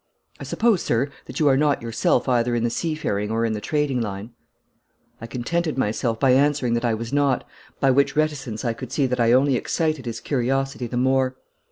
I suppose, sir, that you are not yourself either in the seafaring or in the trading line?' I contented myself by answering that I was not, by which reticence I could see that I only excited his curiosity the more.